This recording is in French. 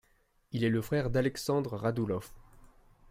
Il est le frère d'Aleksandr Radoulov.